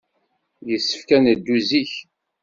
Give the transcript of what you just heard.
Yessefk ad neddu zik.